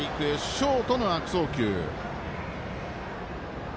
ショートの悪送球。